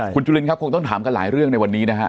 คุณจุลินครับคงต้องถามกันหลายเรื่องในวันนี้นะฮะ